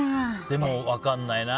でも、分かんないな。